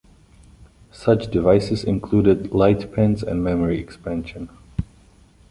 Such devices included light pens and memory expansion.